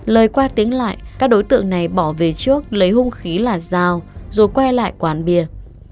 lời qua tiếng lại các đối tượng này bỏ về trước lấy hung khí là dao rồi quay lại quán bia